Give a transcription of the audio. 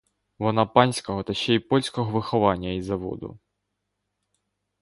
Вона панського, та ще й польського виховання й заводу.